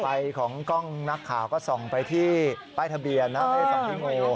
ของกล้องนักข่าวก็ส่องไปที่ป้ายทะเบียนนะไม่ได้ส่องที่งู